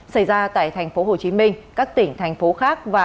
xảy ra tại tp hcm các tỉnh thành phố khác